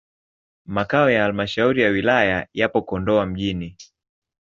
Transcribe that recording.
Makao ya halmashauri ya wilaya yapo Kondoa mjini.